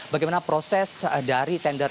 bagaimana proses dari tender